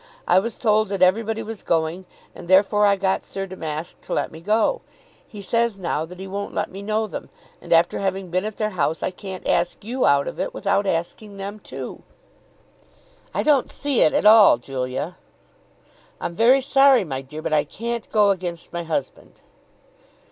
I was told that everybody was going and therefore I got Sir Damask to let me go. He says now that he won't let me know them; and after having been at their house I can't ask you out of it, without asking them too." "I don't see it at all, Julia." "I'm very sorry, my dear, but I can't go against my husband."